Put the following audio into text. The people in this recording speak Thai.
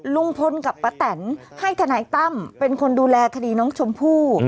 ลุงพลกับป้าแตนให้ทนายตั้มเป็นคนดูแลคดีน้องชมพู่